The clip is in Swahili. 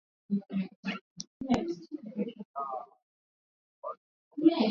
Afrika Kusini inashika nafasi ya saba kwa usafi Afrika